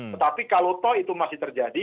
tetapi kalau toh itu masih terjadi